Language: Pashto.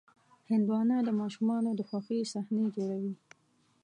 هندوانه د ماشومانو د خوښې صحنې جوړوي.